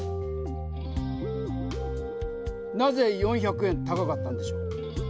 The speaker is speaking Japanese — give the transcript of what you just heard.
なぜ４００円高かったんでしょう？